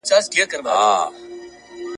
مخامخ سوله په جنګ کي دوه پوځونه ..